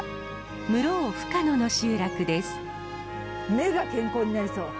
目が健康になりそう。